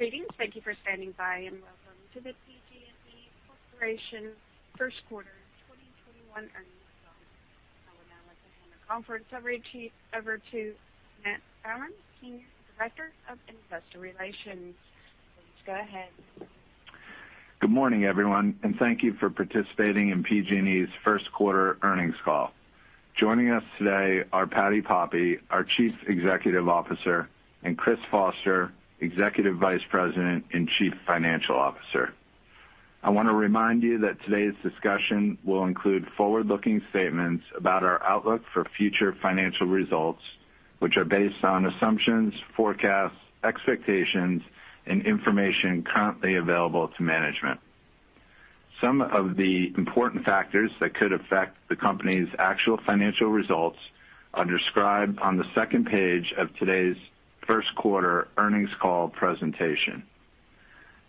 Greetings. Thank you for standing by and welcome to the PG&E Corporation First Quarter 2021 Earnings Call. I would now like to hand the conference over to Matt Fallon, Senior Director of Investor Relations. Please go ahead. Good morning, everyone. Thank you for participating in PG&E's first quarter earnings call. Joining us today are Patti Poppe, our Chief Executive Officer, and Chris Foster, Executive Vice President and Chief Financial Officer. I want to remind you that today's discussion will include forward-looking statements about our outlook for future financial results, which are based on assumptions, forecasts, expectations, and information currently available to management. Some of the important factors that could affect the company's actual financial results are described on the second page of today's first quarter earnings call presentation.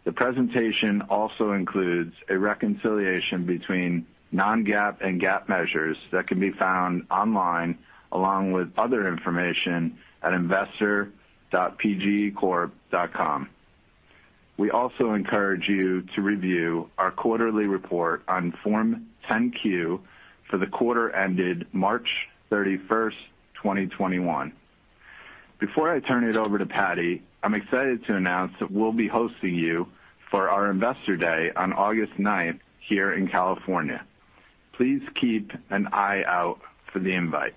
The presentation also includes a reconciliation between non-GAAP and GAAP measures that can be found online, along with other information at investor.pgecorp.com. We also encourage you to review our quarterly report on Form 10-Q for the quarter ended March 31st, 2021. Before I turn it over to Patti, I'm excited to announce that we'll be hosting you for our Investor Day on August 9th here in California. Please keep an eye out for the invite.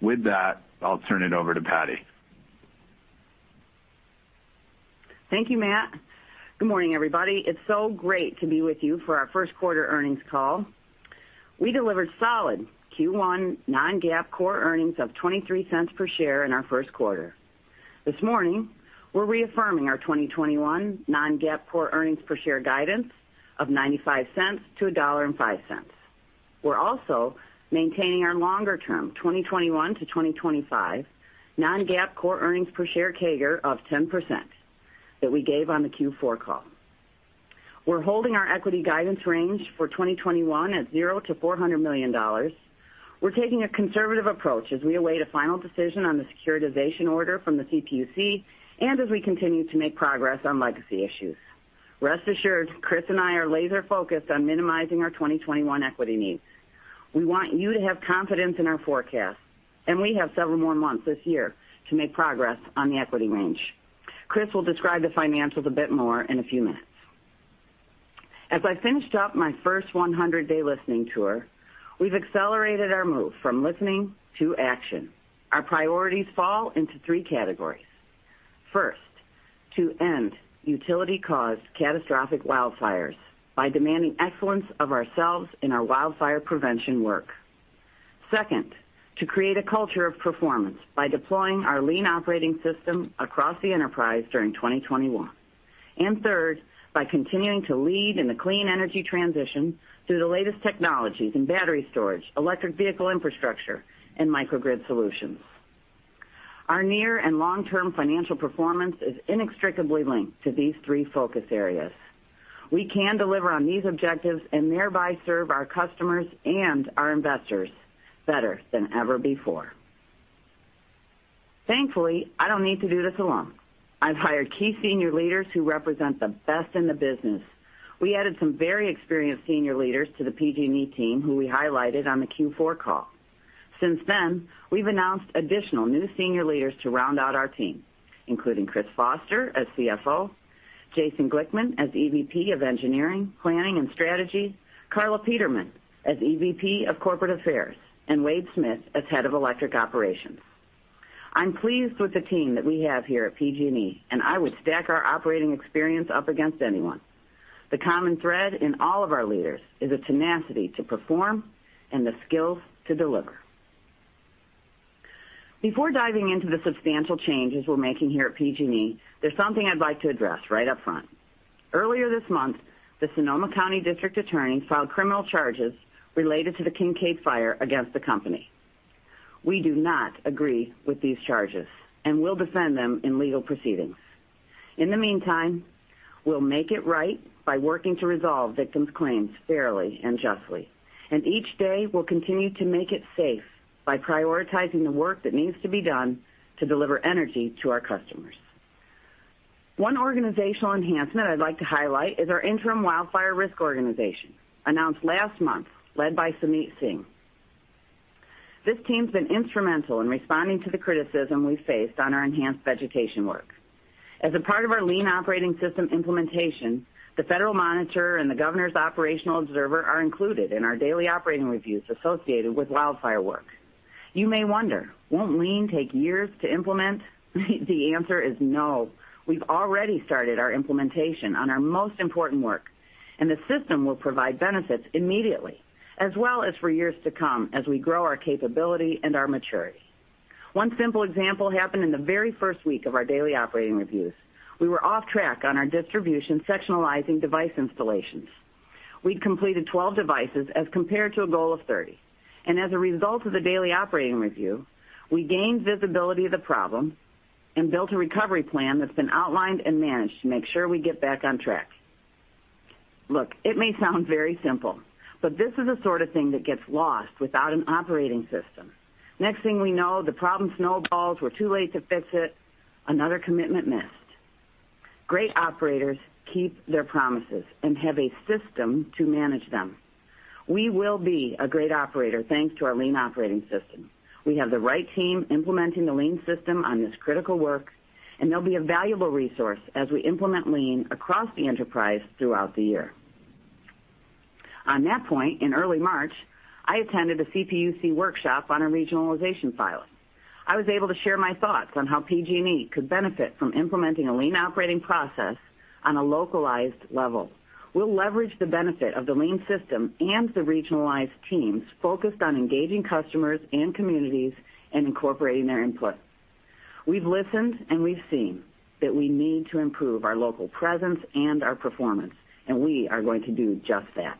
With that, I'll turn it over to Patti. Thank you, Matt. Good morning, everybody. It is so great to be with you for our first quarter earnings call. We delivered solid Q1 non-GAAP core earnings of $0.23 per share in our first quarter. This morning, we are reaffirming our 2021 non-GAAP core earnings per share guidance of $0.95-$1.05. We are also maintaining our longer-term, 2021-2025 non-GAAP core earnings per share CAGR of 10% that we gave on the Q4 call. We are holding our equity guidance range for 2021 at $0-$400 million. We are taking a conservative approach as we await a final decision on the securitization order from the CPUC and as we continue to make progress on legacy issues. Rest assured, Chris and I are laser-focused on minimizing our 2021 equity needs. We want you to have confidence in our forecast, and we have several more months this year to make progress on the equity range. Chris will describe the financials a bit more in a few minutes. As I finished up my first 100-day listening tour, we've accelerated our move from listening to action. Our priorities fall into three categories. First, to end utility-caused catastrophic wildfires by demanding excellence of ourselves in our wildfire prevention work. Second, to create a culture of performance by deploying our lean operating system across the enterprise during 2021. And third, by continuing to lead in the clean energy transition through the latest technologies in battery storage, electric vehicle infrastructure, and microgrid solutions. Our near and long-term financial performance is inextricably linked to these three focus areas. We can deliver on these objectives and thereby serve our customers and our investors better than ever before. Thankfully, I don't need to do this alone. I've hired key senior leaders who represent the best in the business. We added some very experienced senior leaders to the PG&E team who we highlighted on the Q4 call. Since then, we've announced additional new senior leaders to round out our team, including Chris Foster as CFO, Jason Glickman as EVP of Engineering, Planning, and Strategy, Carla Peterman as EVP of Corporate Affairs, and Wade Smith as head of Electric Operations. I'm pleased with the team that we have here at PG&E, and I would stack our operating experience up against anyone. The common thread in all of our leaders is a tenacity to perform and the skills to deliver. Before diving into the substantial changes we're making here at PG&E, there's something I'd like to address right up front. Earlier this month, the Sonoma County District Attorney filed criminal charges related to the Kincade Fire against the company. We do not agree with these charges and will defend them in legal proceedings. In the meantime, we'll make it right by working to resolve victims' claims fairly and justly. Each day, we'll continue to make it safe by prioritizing the work that needs to be done to deliver energy to our customers. One organizational enhancement I'd like to highlight is our interim wildfire risk organization, announced last month, led by Sumeet Singh. This team's been instrumental in responding to the criticism we faced on our enhanced vegetation work. As a part of our lean operating system implementation, the federal monitor and the governor's operational observer are included in our daily operating reviews associated with wildfire work. You may wonder, won't lean take years to implement? The answer is no. We've already started our implementation on our most important work, and the system will provide benefits immediately, as well as for years to come as we grow our capability and our maturity. One simple example happened in the very first week of our daily operating reviews. We were off track on our distribution sectionalizing device installations. We'd completed 12 devices as compared to a goal of 30. As a result of the daily operating review, we gained visibility of the problem and built a recovery plan that's been outlined and managed to make sure we get back on track. Look, it may sound very simple, this is the sort of thing that gets lost without an operating system. Next thing we know, the problem snowballs, we're too late to fix it, another commitment missed. Great operators keep their promises and have a system to manage them. We will be a great operator, thanks to our lean operating system. We have the right team implementing the lean system on this critical work, they'll be a valuable resource as we implement lean across the enterprise throughout the year. On that point, in early March, I attended a CPUC workshop on a regionalization pilot. I was able to share my thoughts on how PG&E could benefit from implementing a lean operating process on a localized level. We'll leverage the benefit of the lean system and the regionalized teams focused on engaging customers and communities and incorporating their input. We've listened and we've seen that we need to improve our local presence and our performance, and we are going to do just that.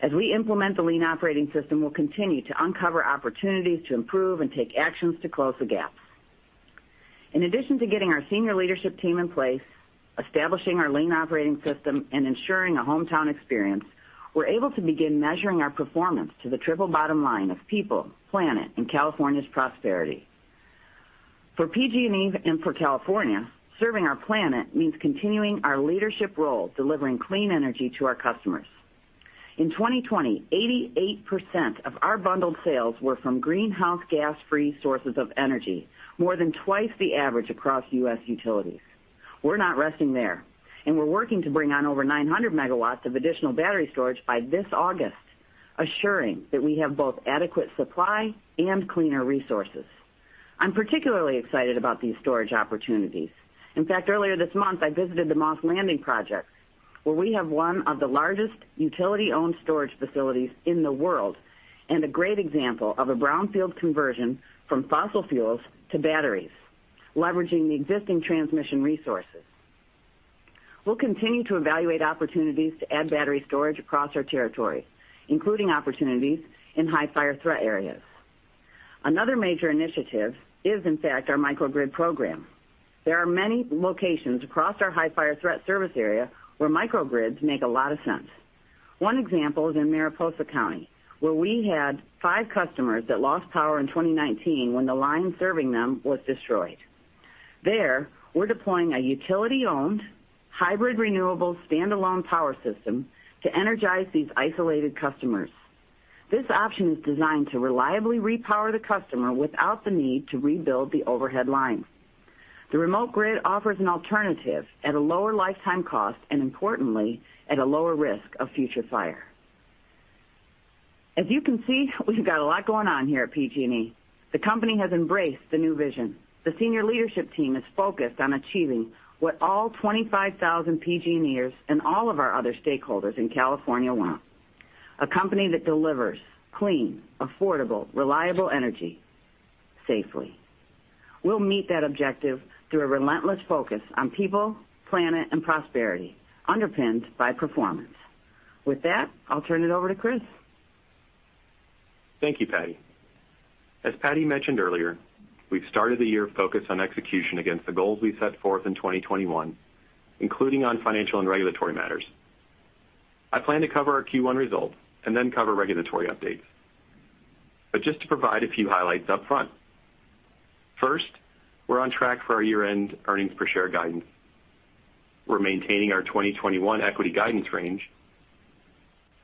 As we implement the lean operating system, we'll continue to uncover opportunities to improve and take actions to close the gaps. In addition to getting our senior leadership team in place, establishing our lean operating system, and ensuring a hometown experience, we're able to begin measuring our performance to the triple bottom line of people, planet, and California's prosperity. For PG&E and for California, serving our planet means continuing our leadership role, delivering clean energy to our customers. In 2020, 88% of our bundled sales were from greenhouse gas-free sources of energy, more than twice the average across U.S. utilities. We're not resting there, and we're working to bring on over 900 MW of additional battery storage by this August, assuring that we have both adequate supply and cleaner resources. I'm particularly excited about these storage opportunities. In fact, earlier this month, I visited the Moss Landing project, where we have one of the largest utility-owned storage facilities in the world, and a great example of a brownfield conversion from fossil fuels to batteries, leveraging the existing transmission resources. We'll continue to evaluate opportunities to add battery storage across our territory, including opportunities in high fire threat areas. Another major initiative is, in fact, our microgrid program. There are many locations across our high fire threat service area where microgrids make a lot of sense. One example is in Mariposa County, where we had five customers that lost power in 2019 when the line serving them was destroyed. There, we're deploying a utility-owned hybrid renewable standalone power system to energize these isolated customers. This option is designed to reliably repower the customer without the need to rebuild the overhead lines. The remote grid offers an alternative at a lower lifetime cost, and importantly, at a lower risk of future fire. As you can see, we've got a lot going on here at PG&E. The company has embraced the new vision. The senior leadership team is focused on achieving what all 25,000 PG&Eers and all of our other stakeholders in California want: a company that delivers clean, affordable, reliable energy, safely. We'll meet that objective through a relentless focus on people, planet, and prosperity underpinned by performance. With that, I'll turn it over to Chris. Thank you, Patti. As Patti mentioned earlier, we've started the year focused on execution against the goals we set forth in 2021, including on financial and regulatory matters. I plan to cover our Q1 results and then cover regulatory updates. But just to provide a few highlights up front. First, we're on track for our year-end earnings per share guidance. We're maintaining our 2021 equity guidance range.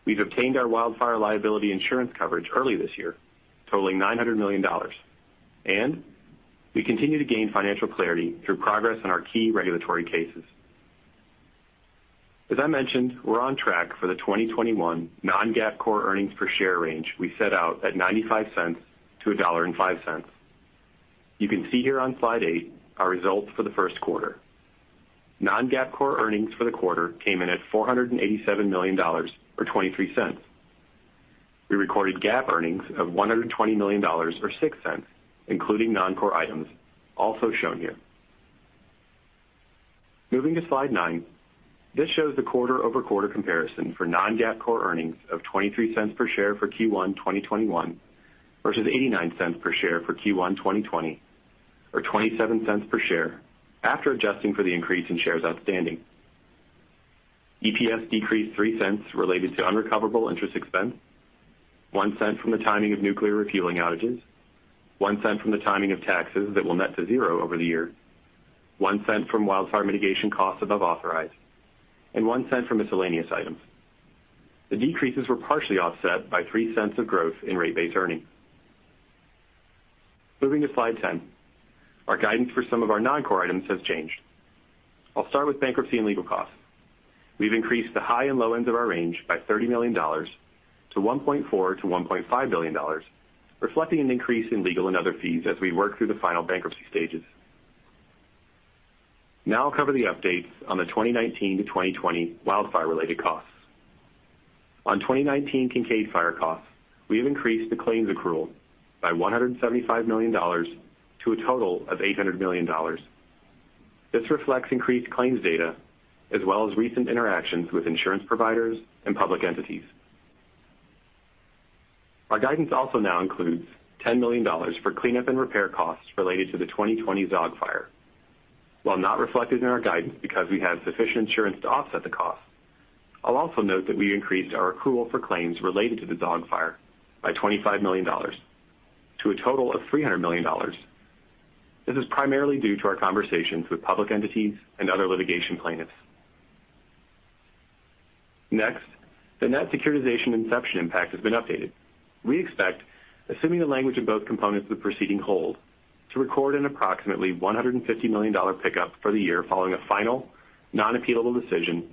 We've obtained our wildfire liability insurance coverage early this year, totaling $900 million. And we continue to gain financial clarity through progress on our key regulatory cases. As I mentioned, we're on track for the 2021 non-GAAP core earnings per share range we set out at $0.95-$1.05. You can see here on slide eight our results for the first quarter. Non-GAAP core earnings for the quarter came in at $487 million or $0.23. We recorded GAAP earnings of $120 million or $0.06, including non-core items also shown here. Moving to slide nine, this shows the quarter-over-quarter comparison for non-GAAP core earnings of $0.23 per share for Q1 2021 versus $0.89 per share for Q1 2020 or $0.27 per share after adjusting for the increase in shares outstanding. EPS decreased $0.03 related to unrecoverable interest expense, $0.01 from the timing of nuclear refueling outages, $0.01 from the timing of taxes that will net to zero over the year, $0.01 from wildfire mitigation costs above authorized, and $0.01 from miscellaneous items. The decreases were partially offset by $0.03 of growth in rate base earnings. Moving to slide 10, our guidance for some of our non-core items has changed. I'll start with bankruptcy and legal costs. We've increased the high and low ends of our range by $30 million to $1.4 billion-$1.5 billion, reflecting an increase in legal and other fees as we work through the final bankruptcy stages. I'll cover the updates on the 2019-2020 wildfire-related costs. On 2019 Kincade Fire costs, we have increased the claims accrual by $175 million to a total of $800 million. This reflects increased claims data as well as recent interactions with insurance providers and public entities. Our guidance also now includes $10 million for cleanup and repair costs related to the 2020 Zogg Fire. While not reflected in our guidance because we have sufficient insurance to offset the cost, I'll also note that we increased our accrual for claims related to the Zogg Fire by $25 million to a total of $300 million. This is primarily due to our conversations with public entities and other litigation plaintiffs. Next, the net securitization inception impact has been updated. We expect, assuming the language of both components of the proceeding hold, to record an approximately $150 million pickup for the year following a final non-appealable decision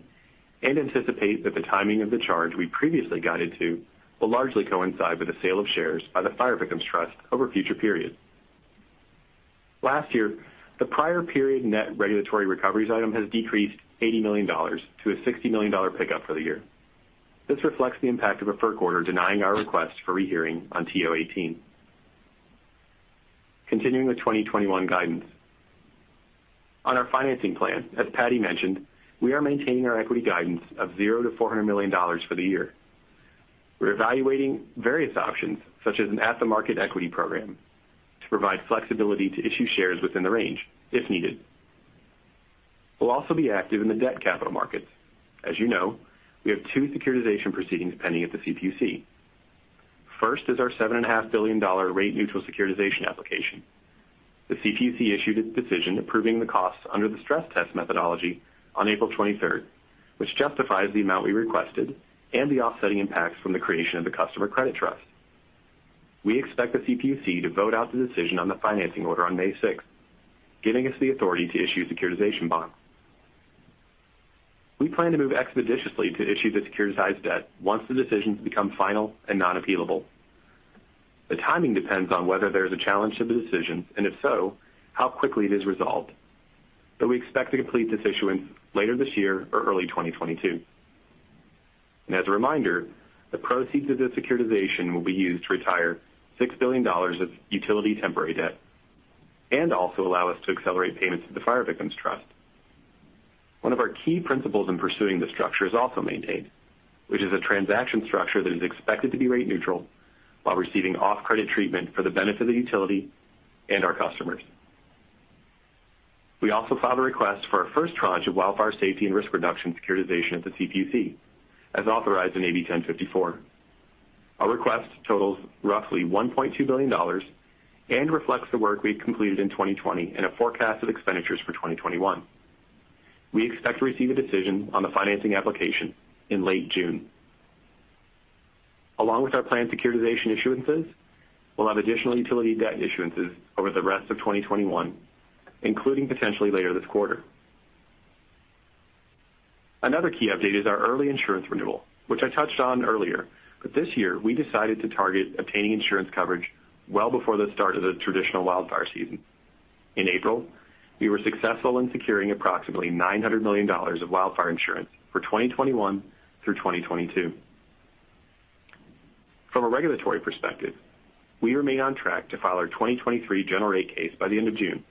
and anticipate that the timing of the charge we previously guided to will largely coincide with the sale of shares by the Fire Victim Trust over future periods. Last year, the prior period net regulatory recoveries item has decreased $80 million to a $60 million pickup for the year. This reflects the impact of a FERC order denying our request for rehearing on TO-18. Continuing with 2021 guidance. On our financing plan, as Patti mentioned, we are maintaining our equity guidance of $0-$400 million for the year. We're evaluating various options, such as an at-the-market equity program, to provide flexibility to issue shares within the range if needed. We'll also be active in the debt capital markets. As you know, we have two securitization proceedings pending at the CPUC. First is our $7.5 billion rate neutral securitization application. The CPUC issued its decision approving the costs under the Stress Test Methodology on April 23rd, which justifies the amount we requested and the offsetting impacts from the creation of the Customer Credit Trust. We expect the CPUC to vote out the decision on the financing order on May 6th, giving us the authority to issue securitization bonds. We plan to move expeditiously to issue the securitized debt once the decisions become final and non-appealable. The timing depends on whether there's a challenge to the decision and if so, how quickly it is resolved. We expect to complete this issuance later this year or early 2022. As a reminder, the proceeds of this securitization will be used to retire $6 billion of utility temporary debt and also allow us to accelerate payments to the Fire Victim Trust. One of our key principles in pursuing this structure is also maintained, which is a transaction structure that is expected to be rate neutral while receiving off-credit treatment for the benefit of the utility and our customers. We also filed a request for our first tranche of wildfire safety and risk reduction securitization at the CPUC, as authorized in AB 1054. Our request totals roughly $1.2 billion and reflects the work we've completed in 2020 and a forecast of expenditures for 2021. We expect to receive a decision on the financing application in late June. Along with our planned securitization issuances, we'll have additional utility debt issuances over the rest of 2021, including potentially later this quarter. Another key update is our early insurance renewal, which I touched on earlier, but this year we decided to target obtaining insurance coverage well before the start of the traditional wildfire season. In April, we were successful in securing approximately $900 million of wildfire insurance for 2021 through 2022. From a regulatory perspective, we remain on track to file our 2023 General Rate Case by the end of June.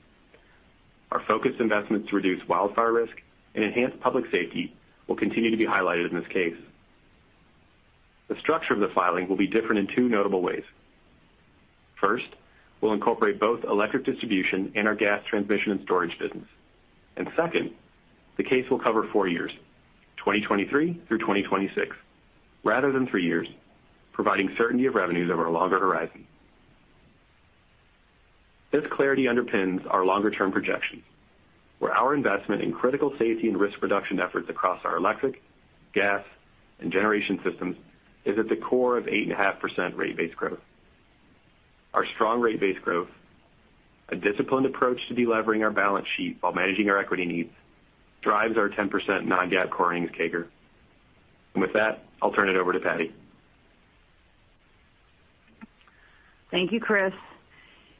Our focused investment to reduce wildfire risk and enhance public safety will continue to be highlighted in this case. The structure of the filing will be different in two notable ways. First, we'll incorporate both electric distribution and our gas transmission and storage business. And second, the case will cover four years, 2023 through 2026, rather than three years, providing certainty of revenues over a longer horizon. This clarity underpins our longer-term projections, where our investment in critical safety and risk reduction efforts across our electric, gas, and generation systems is at the core of 8.5% rate base growth. Our strong rate base growth, a disciplined approach to delevering our balance sheet while managing our equity needs, drives our 10% non-GAAP core earnings CAGR. With that, I'll turn it over to Patti. Thank you, Chris.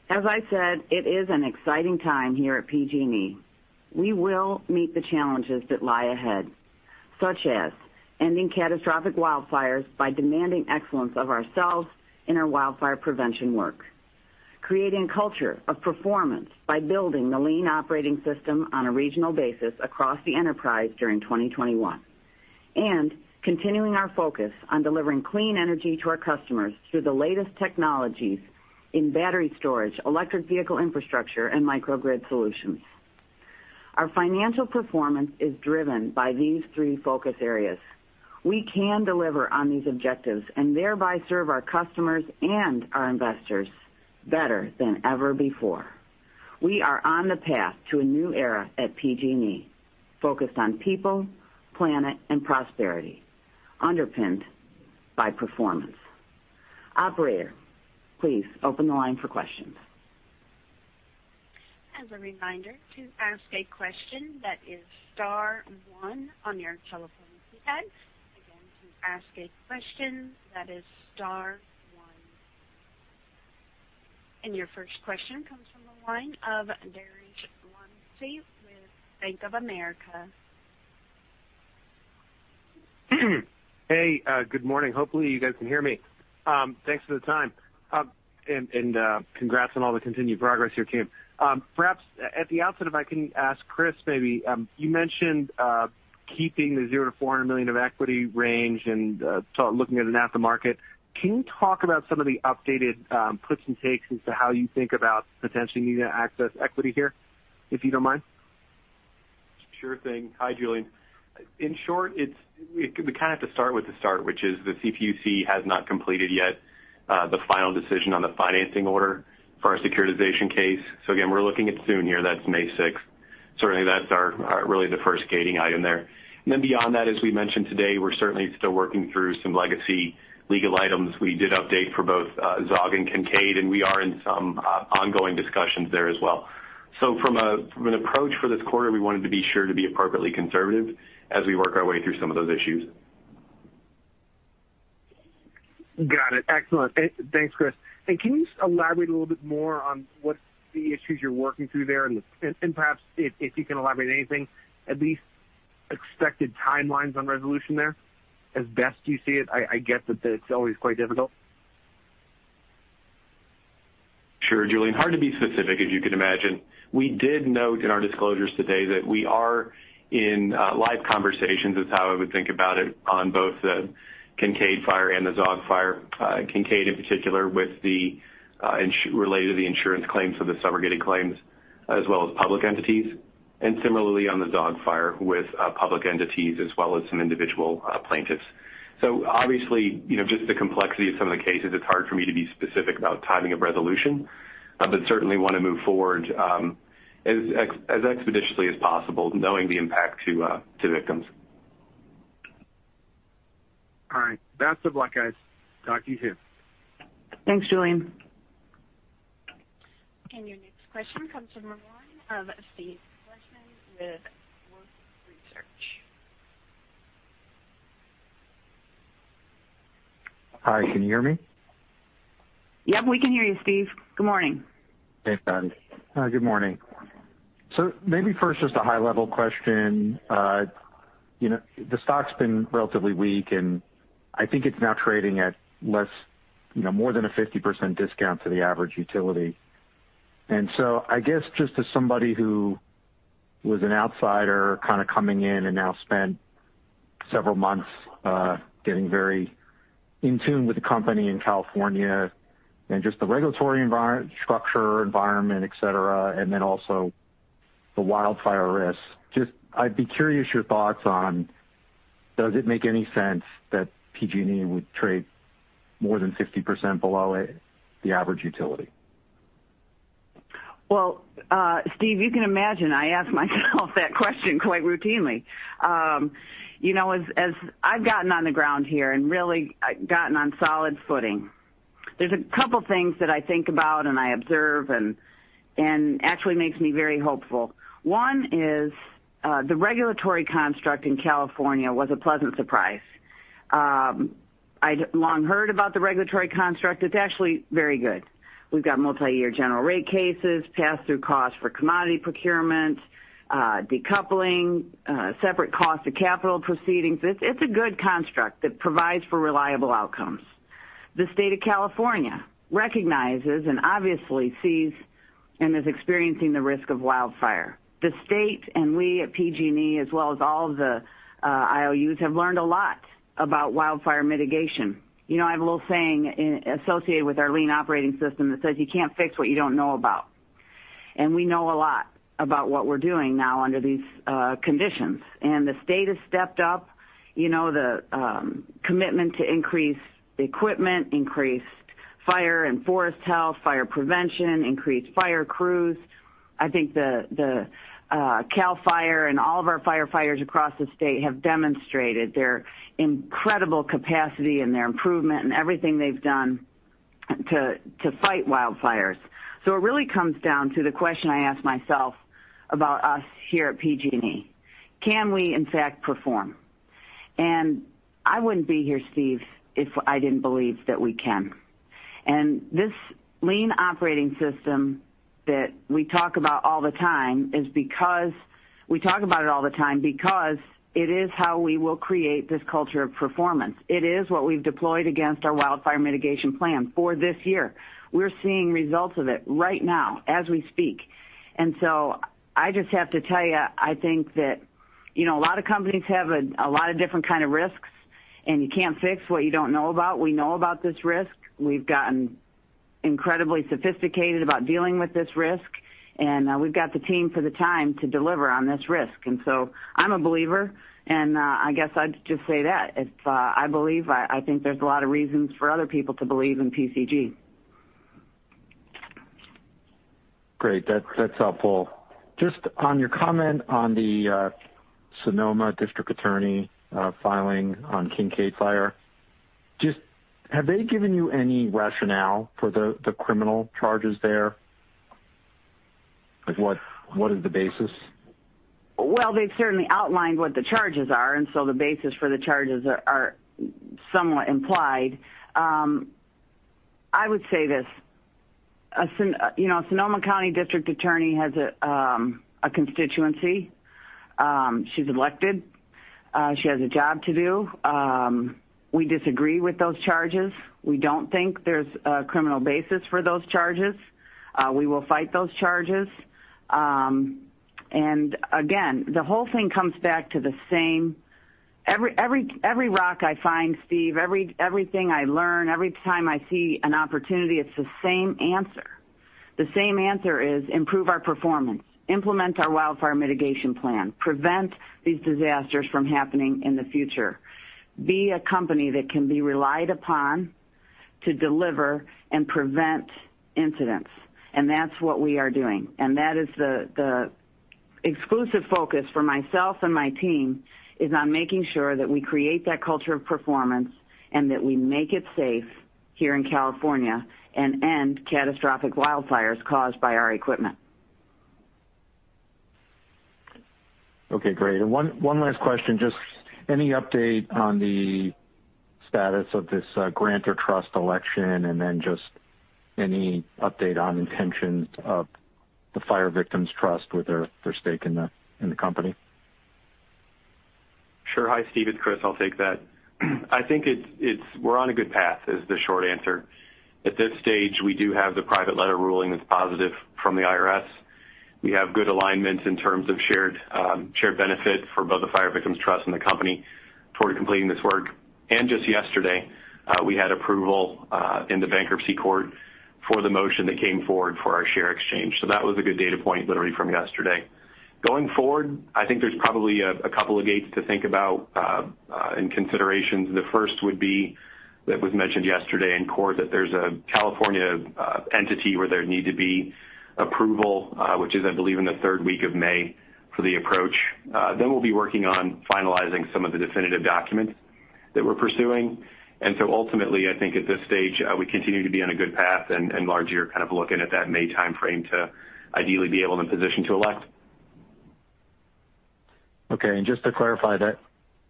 As I said, it is an exciting time here at PG&E. We will meet the challenges that lie ahead, such as ending catastrophic wildfires by demanding excellence of ourselves in our wildfire prevention work, creating a culture of performance by building the lean operating system on a regional basis across the enterprise during 2021, and continuing our focus on delivering clean energy to our customers through the latest technologies in battery storage, electric vehicle infrastructure, and microgrid solutions. Our financial performance is driven by these three focus areas. We can deliver on these objectives and thereby serve our customers and our investors better than ever before. We are on the path to a new era at PG&E, focused on people, planet, and prosperity, underpinned by performance. Operator, please open the line for questions. As a reminder, to ask a question, that is star one on your telephone keypad. Again, to ask a question that is star one. And your first question comes from the line of Julien Dumoulin-Smith with Bank of America. Hey, good morning. Hopefully you guys can hear me. Thanks for the time. And congrats on all the continued progress your team. Perhaps at the outset, if I can ask Chris maybe, you mentioned keeping the $0 to $400 million of equity range and sort of looking at an at-the-market. Can you talk about some of the updated puts and takes into how you think about potentially needing to access equity here, if you don't mind? Sure thing. Hi, Julien. In short, we kind of have to start with the start, which is the CPUC has not completed yet the final decision on the financing order for our securitization case. Again, we're looking at soon here, that's May 6. Certainly, that's our really the first gating item there. Beyond that, as we mentioned today, we're certainly still working through some legacy legal items we did update for both Zogg and Kincade, and we are in some ongoing discussions there as well. From an approach for this quarter, we wanted to be sure to be appropriately conservative as we work our way through some of those issues. Got it. Excellent. Thanks, Chris. And can you just elaborate a little bit more on what the issues you're working through there and the, and perhaps if you can elaborate anything, at least expected timelines on resolution there as best you see it. I get that it's always quite difficult. Sure, Julien. Hard to be specific, as you can imagine. We did note in our disclosures today that we are in live conversations, is how I would think about it, on both the Kincade Fire and the Zogg Fire. Kincade in particular with the related to the insurance claims for the subrogated claims as well as public entities. And similarly on the Zogg Fire with public entities as well as some individual plaintiffs. So, obviously, you know, just the complexity of some of the cases, it's hard for me to be specific about timing of resolution, but certainly wanna move forward as expeditiously as possible, knowing the impact to victims. All right. That's a block, guys. Talk to you soon. Thanks, Julien. Your next question comes from the line of Steve Fleishman with Wolfe Research. Hi, can you hear me? Yep, we can hear you, Steve. Good morning. Thanks, Patti. Hi, good morning. Maybe first just a high-level question. You know, the stock's been relatively weak, and I think it's now trading at less, you know, more than a 50% discount to the average utility. I guess just as somebody who was an outsider kind of coming in and now spent several months, getting very in tune with the company in California and just the regulatory environment, structure, environment, et cetera, and then also the wildfire risks, just I'd be curious your thoughts on does it make any sense that PG&E would trade more than 50% below it, the average utility? Well, Steve, you can imagine I ask myself that question quite routinely. You know, as I've gotten on the ground here and really gotten on solid footing, there's a couple things that I think about and I observe and actually makes me very hopeful. One is, the regulatory construct in California was a pleasant surprise. I'd long heard about the regulatory construct. It's actually very good. We've got multi-year General Rate Cases, pass-through costs for commodity procurement, decoupling, separate cost of capital proceedings. It's a good construct that provides for reliable outcomes. The State of California recognizes and obviously sees and is experiencing the risk of wildfire. The state and we at PG&E, as well as all of the IOUs, have learned a lot about wildfire mitigation. You know, I have a little saying associated with our lean operating system that says, "You can't fix what you don't know about." And we know a lot about what we're doing now under these conditions. The state has stepped up, you know, the commitment to increase equipment, increased fire and forest health, fire prevention, increased fire crews. I think the Cal Fire and all of our firefighters across the state have demonstrated their incredible capacity and their improvement and everything they've done to fight wildfires. So it really comes down to the question I ask myself about us here at PG&E: Can we in fact perform? And I wouldn't be here, Steve, if I didn't believe that we can. And this lean operating system that we talk about all the time is because we talk about it all the time because it is how we will create this culture of performance. It is what we've deployed against our Wildfire Mitigation Plan for this year. We're seeing results of it right now as we speak. And so, I just have to tell you, I think that, you know, a lot of companies have a lot of different kind of risks, and you can't fix what you don't know about. We know about this risk. We've gotten incredibly sophisticated about dealing with this risk, and we've got the team for the time to deliver on this risk. I'm a believer, and I guess I'd just say that. If I believe I think there's a lot of reasons for other people to believe in PCG. Great. That's helpful. Just on your comment on the Sonoma District Attorney filing on Kincade Fire, just, have they given you any rationale for the criminal charges there? Like, what is the basis? They've certainly outlined what the charges are, the basis for the charges are somewhat implied. I would say, you know, Sonoma County District Attorney has a constituency. She's elected. She has a job to do. We disagree with those charges. We don't think there's a criminal basis for those charges. We will fight those charges. Again, the whole thing comes back to the same every rock I find, Steve, everything I learn, every time I see an opportunity, it's the same answer. The same answer is improve our performance, implement our Wildfire Mitigation Plan, prevent these disasters from happening in the future. Be a company that can be relied upon to deliver and prevent incidents, and that's what we are doing. And that is the exclusive focus for myself and my team is on making sure that we create that culture of performance and that we make it safe here in California and end catastrophic wildfires caused by our equipment. Okay, great. One last question. Just any update on the status of this Grantor Trust election, and then just any update on intentions of the Fire Victim Trust with their stake in the company? Sure. Hi, Steve, it's Chris. I'll take that. I think it's we're on a good path, is the short answer. At this stage, we do have the private letter ruling that's positive from the IRS. We have good alignment in terms of shared benefit for both the Fire Victim Trust and the company toward completing this work. And just yesterday, we had approval in the bankruptcy court for the motion that came forward for our share exchange. That was a good data point literally from yesterday. Going forward, I think there's probably a couple of gates to think about and considerations. The first would be that was mentioned yesterday in court that there's a California entity where there'd need to be approval, which is, I believe, in the third week of May for the approach. We'll be working on finalizing some of the definitive documents that we're pursuing. Ultimately, I think at this stage, we continue to be on a good path and large year kind of looking at that May timeframe to ideally be able and positioned to elect. Okay. And just to clarify that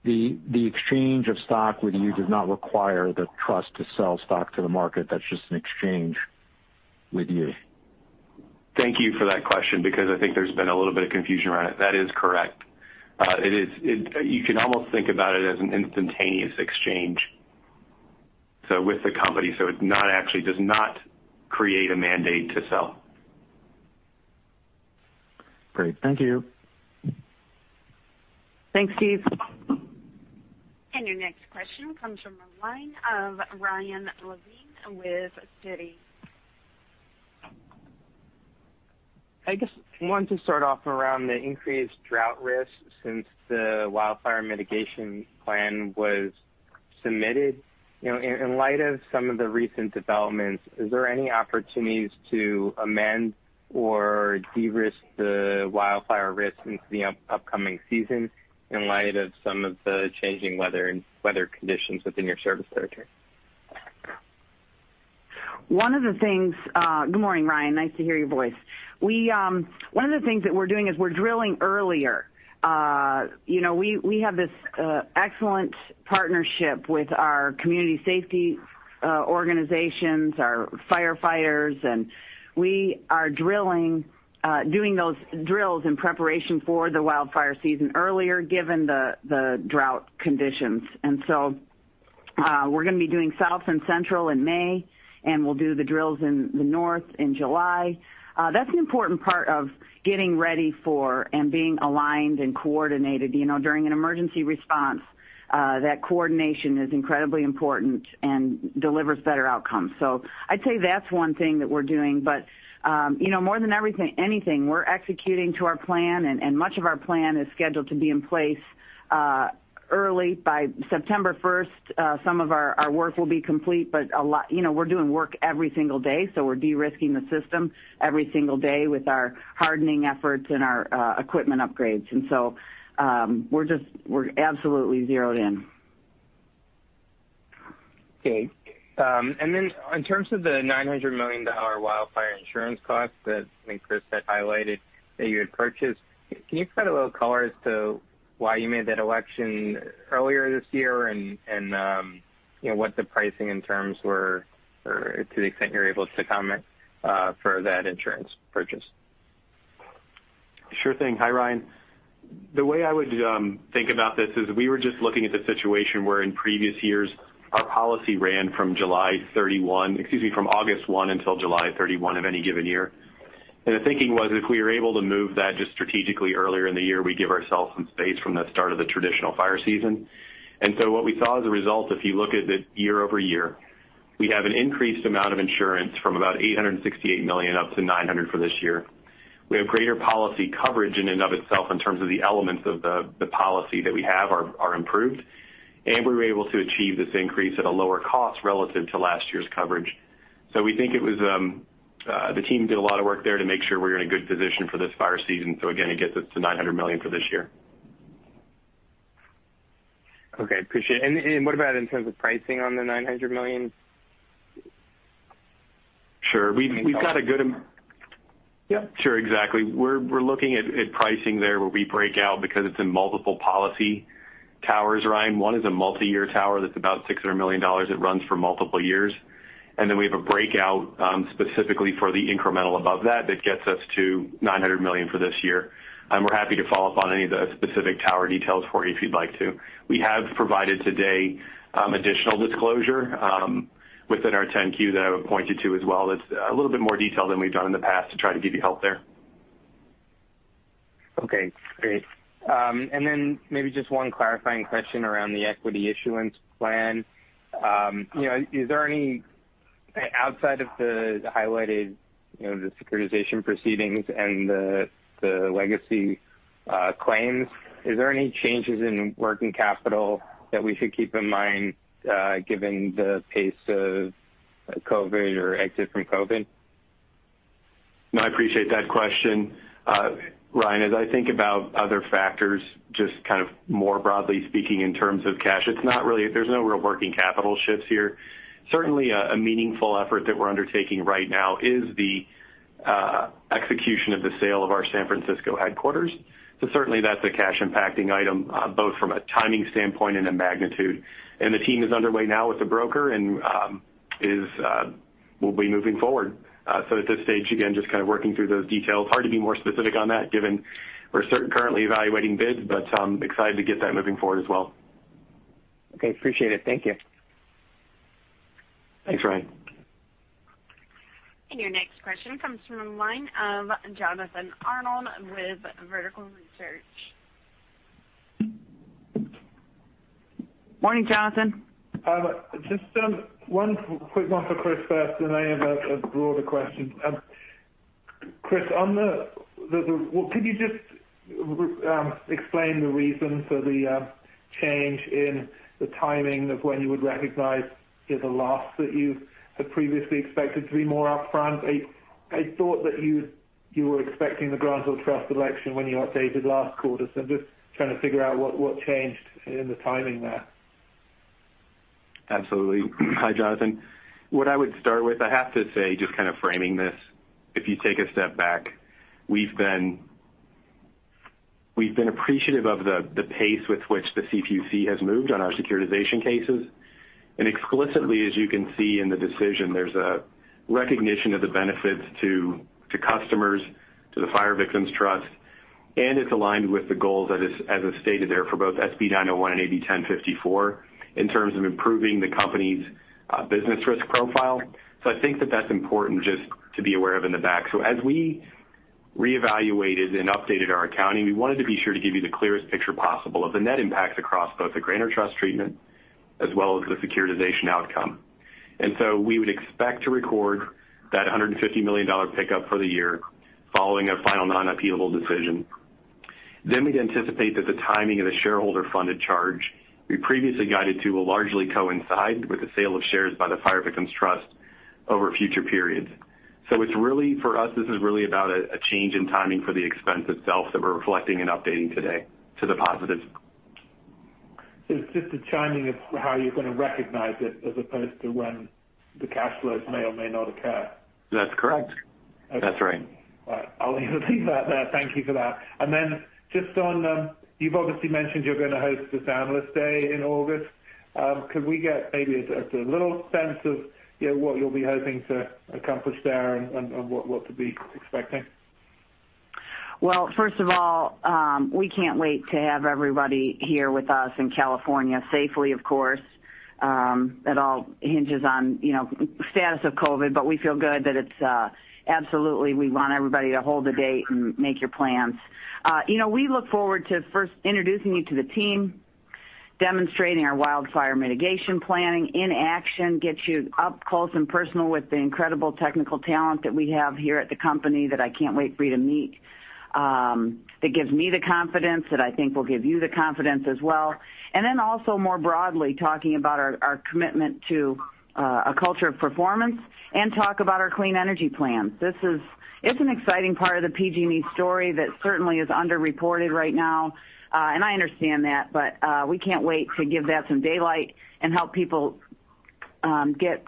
the exchange of stock with you does not require the trust to sell stock to the market. That's just an exchange with you. Thank you for that question because I think there's been a little bit of confusion around it. That is correct. You can almost think about it as an instantaneous exchange, so with the company, so it's not actually, does not create a mandate to sell. Great. Thank you. Thanks, Steve. And your next question comes from the line of Ryan Levine with Citi. I guess want to start off around the increased drought risk since the Wildfire Mitigation Plan was submitted. You know, in light of some of the recent developments, is there any opportunities to amend or de-risk the wildfire risk into the upcoming season in light of some of the changing weather and weather conditions within your service territory? One of the things- Good morning, Ryan. Nice to hear your voice. We, one of the things that we're doing is we're drilling earlier. You know, we have this excellent partnership with our community safety organizations, our firefighters, and we are drilling, doing those drills in preparation for the wildfire season earlier, given the drought conditions. And so, we're gonna be doing South and Central in May, and we'll do the drills in the North in July. That's an important part of getting ready for and being aligned and coordinated. You know, during an emergency response, that coordination is incredibly important and delivers better outcomes. I'd say that's one thing that we're doing. You know, more than everything, anything, we're executing to our plan, and much of our plan is scheduled to be in place early by September 1st. Some of our work will be complete, but a lot, you know, we're doing work every single day, so we're de-risking the system every single day with our hardening efforts and our equipment upgrades. And so, we're just, we're absolutely zeroed in. Okay. Then in terms of the $900 million wildfire insurance cost that I think Chris had highlighted that you had purchased, can you provide a little color as to why you made that election earlier this year and, you know, what the pricing and terms were or to the extent you're able to comment for that insurance purchase? Sure thing. Hi, Ryan. The way I would think about this is we were just looking at the situation where in previous years, our policy ran from July 31, excuse me, from August 1 until July 31 of any given year. The thinking was if we were able to move that just strategically earlier in the year, we give ourselves some space from the start of the traditional fire season. What we saw as a result, if you look at it year-over-year, we have an increased amount of insurance from about $868 million up to $900 million for this year. We have greater policy coverage in and of itself in terms of the elements of the policy that we have are improved. And we were able to achieve this increase at a lower cost relative to last year's coverage. We think the team did a lot of work there to make sure we're in a good position for this fire season. Again, it gets us to $900 million for this year. Okay, appreciate it. And what about in terms of pricing on the $900 million? Sure. We've got a good- In terms of- Sure. Exactly. We're looking at pricing there where we break out because it's in multiple policy towers, Ryan. One is a multiyear tower that's about $600 million. It runs for multiple years. Then we have a breakout specifically for the incremental above that gets us to $900 million for this year. And we're happy to follow up on any of the specific tower details for you if you'd like to. We have provided today additional disclosure within our 10-Q that I would point you to as well that's a little bit more detailed than we've done in the past to try to give you help there. Okay, great. And then maybe just one clarifying question around the equity issuance plan. You know, is there any outside of the highlighted, you know, the securitization proceedings and the legacy claims, is there any changes in working capital that we should keep in mind, given the pace of COVID or exit from COVID? No, I appreciate that question. Ryan, as I think about other factors, just kind of more broadly speaking in terms of cash, there's no real working capital shifts here. Certainly a meaningful effort that we're undertaking right now is the execution of the sale of our San Francisco headquarters. Certainly that's a cash impacting item, both from a timing standpoint and a magnitude. The team is underway now with the broker and will be moving forward. At this stage, again, just kind of working through those details. Hard to be more specific on that given we're currently evaluating bids, but excited to get that moving forward as well. Okay, appreciate it. Thank you. Thanks, Ryan. And your next question comes from the line of Jonathan Arnold with Vertical Research. Morning, Jonathan. Hi. Just quick one for Chris first, and I have a broader question. Chris, could you just re-explain the reason for the change in the timing of when you would recognize the loss that you had previously expected to be more upfront? I thought that you were expecting the Grantor Trust election when you updated last quarter. I'm just trying to figure out what changed in the timing there. Absolutely. Hi, Jonathan. What I would start with, I have to say, just kind of framing this, if you take a step back, we've been appreciative of the pace with which the CPUC has moved on our securitization cases. And explicitly, as you can see in the decision, there's a recognition of the benefits to customers, to the Fire Victim Trust, and it's aligned with the goals as is stated there for both SB 901 and AB 1054 in terms of improving the company's business risk profile. I think that that's important just to be aware of in the back. As we reevaluated and updated our accounting, we wanted to be sure to give you the clearest picture possible of the net impacts across both the Grantor Trust treatment as well as the securitization outcome. And so, we would expect to record that $150 million pickup for the year following a final non-appealable decision. Then we'd anticipate that the timing of the shareholder-funded charge we previously guided to will largely coincide with the sale of shares by the Fire Victim Trust over future periods. It's really, for us, this is really about a change in timing for the expense itself that we're reflecting and updating today to the positive. It's just a timing of how you're gonna recognize it as opposed to when the cash flows may or may not occur? That's correct. Okay. That's right. All right. I'll leave that there. Thank you for that. And then just on, you've obviously mentioned you're gonna host this Analyst Day in August. Could we get maybe a little sense of, you know, what you'll be hoping to accomplish there and what to be expecting? Well, first of all, we can't wait to have everybody here with us in California safely, of course. It all hinges on, you know, status of COVID, we feel good that it's absolutely we want everybody to hold the date and make your plans. You know, we look forward to first introducing you to the team, demonstrating our wildfire mitigation planning in action, get you up close and personal with the incredible technical talent that we have here at the company that I can't wait for you to meet, that gives me the confidence that I think will give you the confidence as well. And then also more broadly talking about our commitment to a culture of performance and talk about our clean energy plans. It's an exciting part of the PG&E story that certainly is underreported right now, and I understand that, but we can't wait to give that some daylight and help people get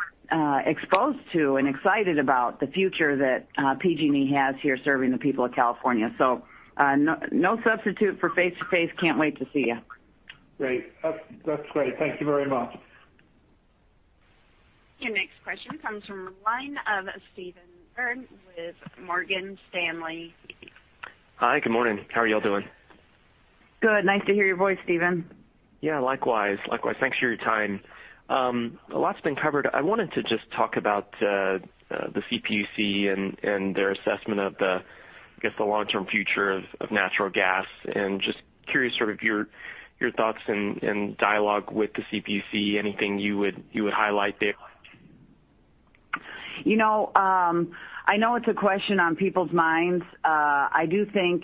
exposed to and excited about the future that PG&E has here serving the people of California. No substitute for face-to-face. Can't wait to see you. Great. That's great. Thank you very much. Your next question comes from the line of Stephen Byrd with Morgan Stanley. Hi. Good morning. How are y'all doing? Good. Nice to hear your voice, Stephen. Yeah, likewise. Likewise. Thanks for your time. A lot's been covered. I wanted to just talk about the CPUC and their assessment of the, I guess, the long-term future of natural gas, and just curious sort of your thoughts and dialogue with the CPUC. Anything you would highlight there? You know, I know it's a question on people's minds. I do think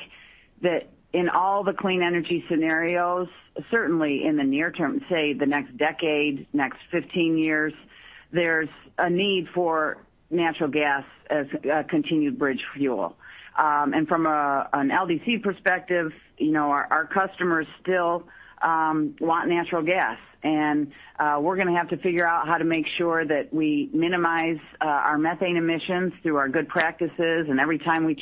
that in all the clean energy scenarios, certainly in the near term, say the next decade, next 15 years, there's a need for natural gas as a continued bridge fuel. From an LDC perspective, you know, our customers still want natural gas. And we're gonna have to figure out how to make sure that we minimize our methane emissions through our good practices, and every time we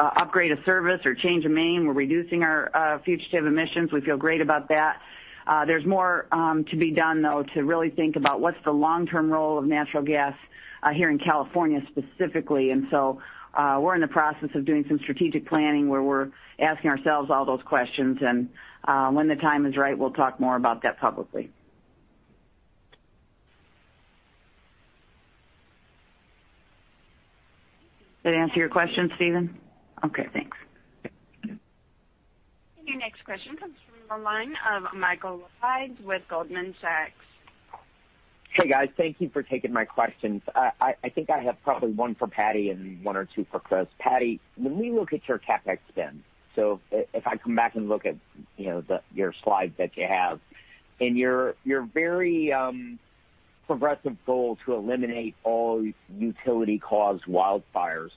upgrade a service or change a main, we're reducing our fugitive emissions. We feel great about that. There's more to be done, though, to really think about what's the long-term role of natural gas here in California specifically. And so, we're in the process of doing some strategic planning where we're asking ourselves all those questions. When the time is right, we'll talk more about that publicly. Did that answer your question, Stephen? Okay, thanks. Your next question comes from the line of Michael Lapides with Goldman Sachs. Hey, guys. Thank you for taking my questions. I think I have probably one for Patti and one or two for Chris. Patti, when we look at your CapEx spend, so if I come back and look at, you know, your slide that you have, in your very progressive goal to eliminate all utility-caused wildfires,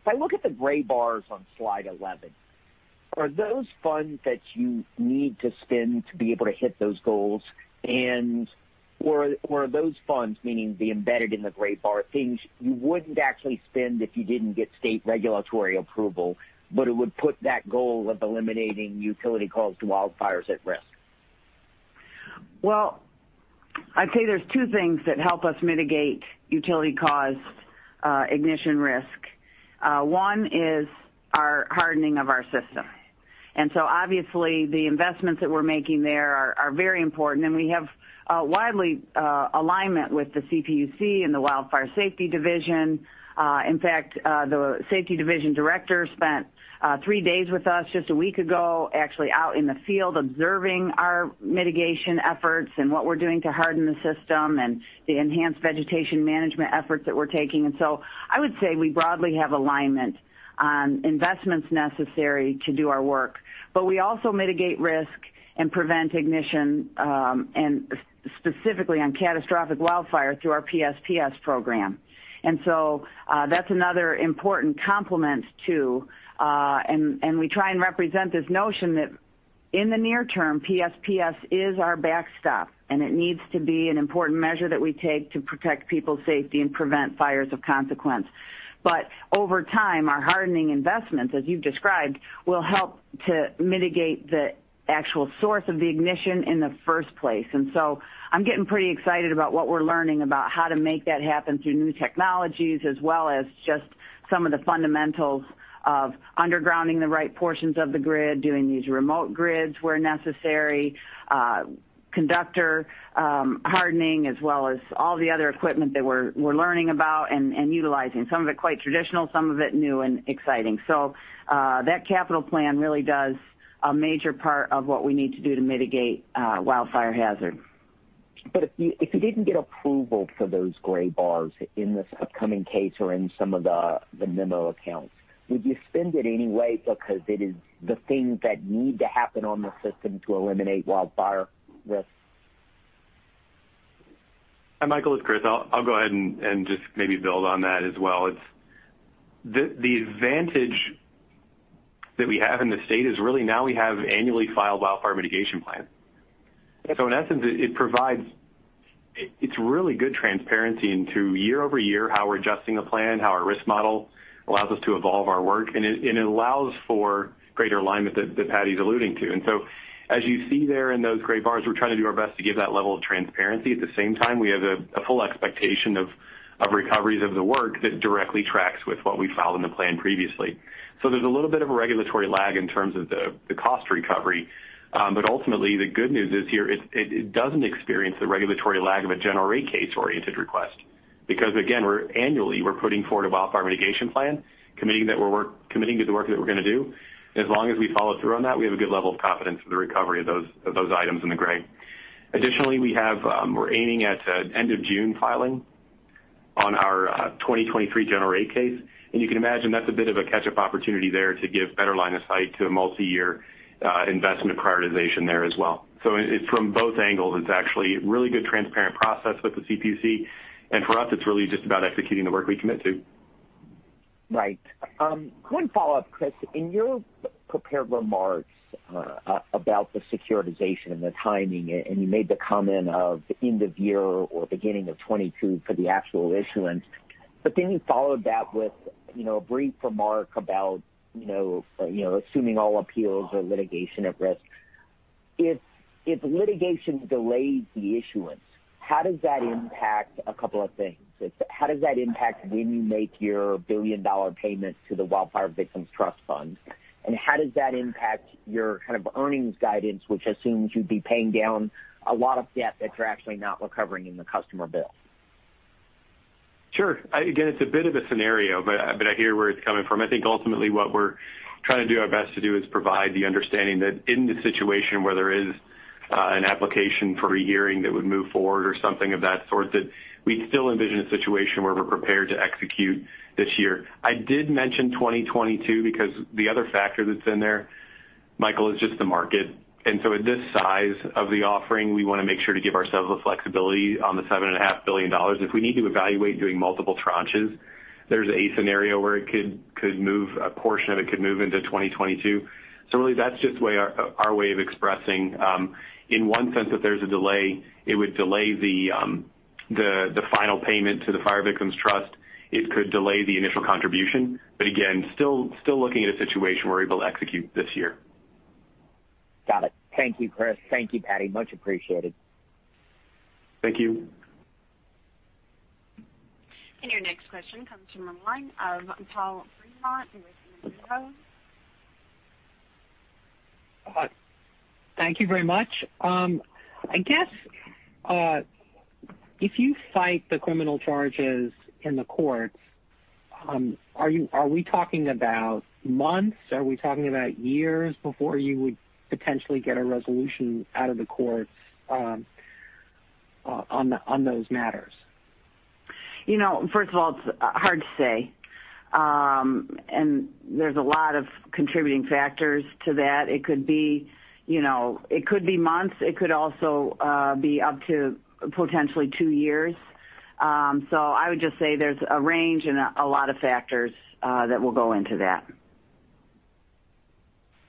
if I look at the gray bars on slide 11, are those funds that you need to spend to be able to hit those goals? Were those funds, meaning the embedded in the gray bar things, you wouldn't actually spend if you didn't get state regulatory approval, but it would put that goal of eliminating utility-caused wildfires at risk? Well, I'd say there's two things that help us mitigate utility-caused ignition risk. One is our hardening of our system. And so obviously the investments that we're making there are very important, and we have widely alignment with the CPUC and the Wildfire Safety Division. In fact, the safety division director spent three days with us just a week ago, actually out in the field observing our mitigation efforts and what we're doing to harden the system and the enhanced vegetation management efforts that we're taking. And so, I would say we broadly have alignment on investments necessary to do our work. But we also mitigate risk and prevent ignition, and specifically on catastrophic wildfire through our PSPS program. That's another important complement too. We try and represent this notion that in the near term, PSPS is our backstop, and it needs to be an important measure that we take to protect people's safety and prevent fires of consequence. Over time, our hardening investments, as you've described, will help to mitigate the actual source of the ignition in the first place. And so, I'm getting pretty excited about what we're learning about how to make that happen through new technologies as well as just some of the fundamentals of undergrounding the right portions of the grid, doing these remote grids where necessary, conductor hardening, as well as all the other equipment that we're learning about and utilizing. Some of it quite traditional, some of it new and exciting. That capital plan really does a major part of what we need to do to mitigate wildfire hazard. If you didn't get approval for those gray bars in this upcoming case or in some of the memo accounts, would you spend it anyway because it is the things that need to happen on the system to eliminate wildfire risk? Hi, Michael, it's Chris. I'll go ahead and just maybe build on that as well. It's the advantage that we have in the state is really now we have annually filed Wildfire Mitigation Plan. And so, that, it provides, its really good transparency into year-over-year, how we're adjusting the plan, how our risk model allows us to evolve our work, and it allows for greater alignment that Patti's alluding to. As you see there in those gray bars, we're trying to do our best to give that level of transparency. At the same time, we have a full expectation of recoveries of the work that directly tracks with what we filed in the plan previously. There's a little bit of a regulatory lag in terms of the cost recovery. But ultimately, the good news is here it doesn't experience the regulatory lag of a General Rate Case-oriented request. Because again, we're annually, we're putting forward a Wildfire Mitigation Plan, committing to the work that we're going to do. As long as we follow through on that, we have a good level of confidence for the recovery of those items in the gray. Additionally, we have, we're aiming at end of June filing on our 2023 General Rate Case. You can imagine that's a bit of a catch-up opportunity there to give better line of sight to a multi-year investment prioritization there as well. It's from both angles, it's actually really good transparent process with the CPUC, and for us it's really just about executing the work we commit to. Right. One follow-up, Chris. In your prepared remarks, about the securitization and the timing, and you made the comment of end of year or beginning of 2022 for the actual issuance, but then you followed that with, you know, a brief remark about, you know, assuming all appeals or litigation at risk. If litigation delays the issuance, how does that impact a couple of things? How does that impact when you make your $1 billion payments to the Wildfire Victims Trust Fund? How does that impact your kind of earnings guidance, which assumes you'd be paying down a lot of debt that you're actually not recovering in the customer bill? Sure. Again, it's a bit of a scenario, but I hear where it's coming from. I think ultimately what we're trying to do our best to do is provide the understanding that in the situation where there is an application for a hearing that would move forward or something of that sort, that we'd still envision a situation where we're prepared to execute this year. I did mention 2022 because the other factor that's in there, Michael, is just the market. At this size of the offering, we wanna make sure to give ourselves the flexibility on the $7.5 billion. If we need to evaluate doing multiple tranches, there's a scenario where it could move a portion of it could move into 2022. So really, that's just our way of expressing, in one sense, if there's a delay, it would delay the final payment to the Fire Victim Trust. It could delay the initial contribution, but again, still looking at a situation where we're able to execute this year. Got it. Thank you, Chris. Thank you, Patti. Much appreciated. Thank you. Your next question comes from the line of Paul Fremont with Mizuho. Thank you very much. I guess, if you fight the criminal charges in the courts, are we talking about months? Are we talking about years before you would potentially get a resolution out of the courts, on those matters? You know, first of all, it's hard to say. There's a lot of contributing factors to that. It could be, you know, it could be months. It could also be up to potentially two years. So, I would just say there's a range and a lot of factors that will go into that.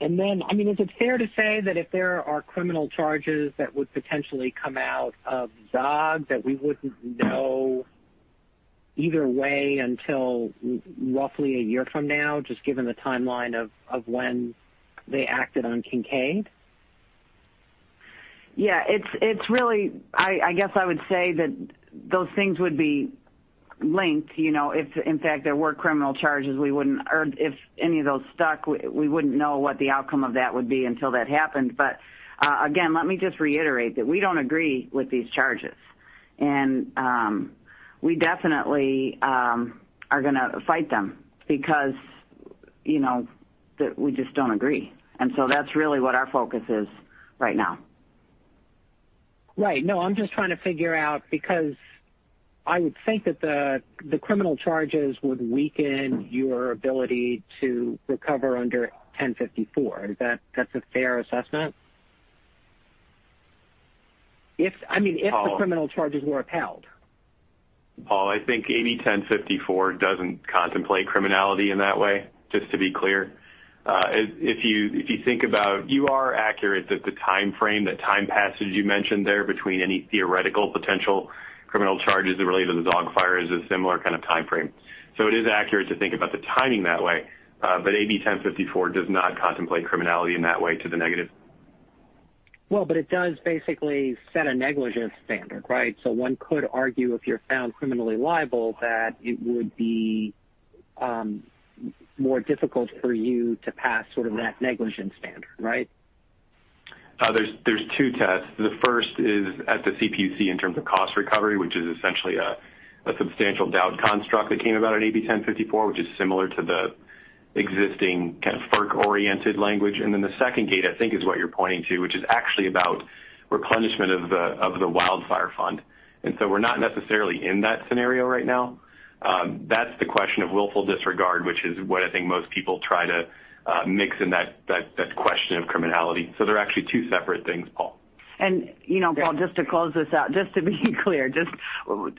And then, I mean, is it fair to say that if there are criminal charges that would potentially come out of Zogg that we wouldn't know either way until roughly a year from now, just given the timeline of when they acted on Kincade? Yeah, it's really, I guess I would say that those things would be linked, you know, if in fact there were criminal charges, we wouldn't know what the outcome of that would be until that happened. Again, let me just reiterate that we don't agree with these charges. And we definitely are gonna fight them because, you know, we just don't agree. And so, that's really what our focus is right now. Right. No, I'm just trying to figure out because I would think that the criminal charges would weaken your ability to recover under 1054. Is that's a fair assessment? If, I mean, if the criminal charges were upheld. Paul, I think AB 1054 doesn't contemplate criminality in that way, just to be clear. If you think about, you are accurate that the timeframe, the time passage you mentioned there between any theoretical potential criminal charges that relate to the Zogg Fire is a similar kind of timeframe. It is accurate to think about the timing that way, but AB 1054 does not contemplate criminality in that way to the negative. Well, but it does basically set a negligence standard, right? One could argue if you're found criminally liable that it would be more difficult for you to pass sort of that negligence standard, right? There's two tests. The first is at the CPUC in terms of cost recovery, which is essentially a substantial doubt construct that came about in AB 1054, which is similar to the existing kind of FERC-oriented language. The second gate, I think, is what you're pointing to, which is actually about replenishment of the wildfire fund. We're not necessarily in that scenario right now. That's the question of willful disregard, which is what I think most people try to mix in that question of criminality. They're actually two separate things, Paul. And, you know, Paul, just to close this out, just to be clear, just,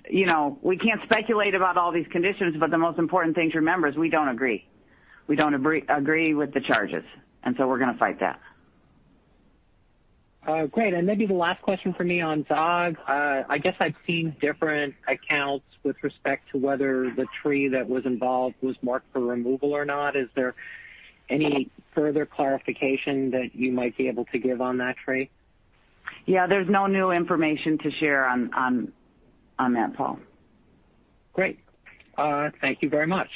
you know, we can't speculate about all these conditions, but the most important thing to remember is we don't agree. We don't agree with the charges, and so we're gonna fight that. Alright, great. Maybe the last question for me on Zogg. I guess I've seen different accounts with respect to whether the tree that was involved was marked for removal or not. Is there any further clarification that you might be able to give on that tree? Yeah. There's no new information to share on that, Paul. Great. Thank you very much.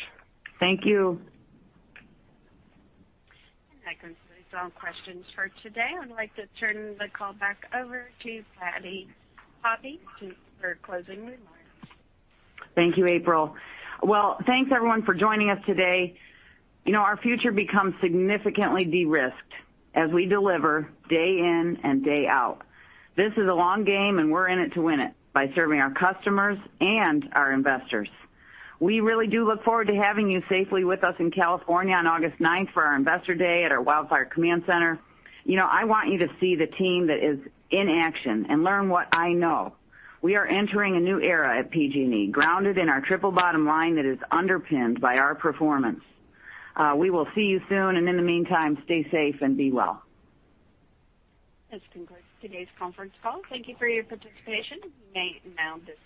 Thank you. And that concludes all questions for today. I'd like to turn the call back over to Patti Poppe for closing remarks. Thank you, April. Well, thanks everyone for joining us today. You know, our future becomes significantly de-risked as we deliver day in and day out. This is a long game, and we're in it to win it by serving our customers and our investors. We really do look forward to having you safely with us in California on August 9th for our Investor Day at our Wildfire Command Center. You know, I want you to see the team that is in action and learn what I know. We are entering a new era at PG&E, grounded in our triple bottom line that is underpinned by our performance. We will see you soon, and in the meantime, stay safe and be well. This concludes today's conference call. Thank you for your participation. You may now disconnect.